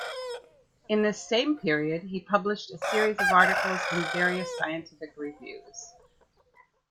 In this same period he published a series of articles in various scientific reviews.